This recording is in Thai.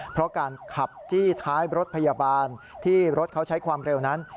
เพราะการขับจี้ท้ายรถพยาบาลที่รถเขาใช้ความเร็วนั้น